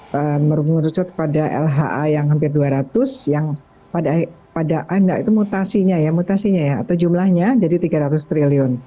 kita merucut pada lha yang hampir dua ratus yang pada anda itu mutasinya ya mutasinya ya atau jumlahnya jadi tiga ratus triliun